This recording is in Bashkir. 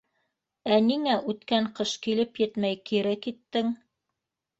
— Ә ниңә үткән ҡыш килеп етмәй, кире киттең?